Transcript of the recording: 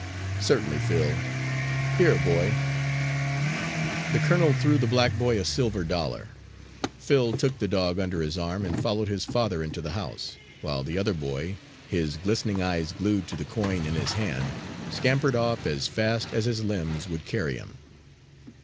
"Certainly, Phil. Here, boy!" The colonel threw the black boy a silver dollar. Phil took the dog under his arm and followed his father into the house, while the other boy, his glistening eyes glued to the coin in his hand, scampered off as fast as his limbs would carry him.